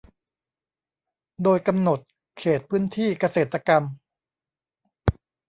โดยกำหนดเขตพื้นที่เกษตรกรรม